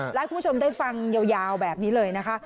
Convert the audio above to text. และให้คุณผู้ชมได้ฟังยาวแบบนี้เลยนะคะ